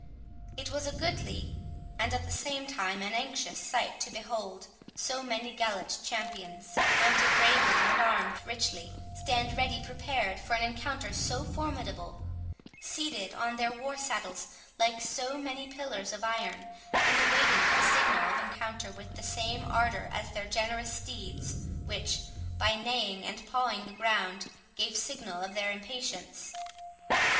It was a goodly, and at the same time an anxious, sight, to behold so many gallant champions, mounted bravely, and armed richly, stand ready prepared for an encounter so formidable, seated on their war saddles like so many pillars of iron, and awaiting the signal of encounter with the same ardour as their generous steeds, which, by neighing and pawing the ground, gave signal of their impatience.